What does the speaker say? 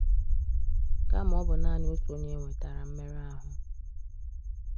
kama ọ bụ naanị otu onye nwetàrà mmerụahụ